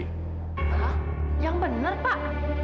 hah yang benar pak